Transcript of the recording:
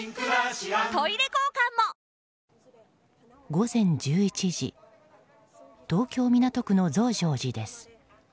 午前１１時東京・港区の増上寺です。